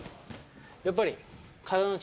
やっぱり。